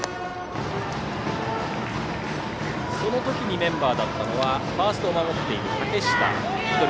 その時にメンバーだったのはファーストを守っている竹下１人。